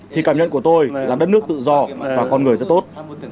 thì cảm nhận của tôi là đất nước tự do và con người rất tốt